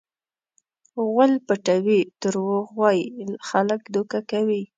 غول پټوي؛ دروغ وایي؛ خلک دوکه کوي.